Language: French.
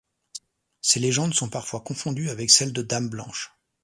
Ces légendes sont parfois confondues avec celles de dame blanche.